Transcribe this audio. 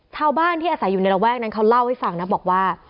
ชาวบ้านที่อาศัยอยู่ในระแวกนั้นเขาเล่าให้ฟังนะบอกว่า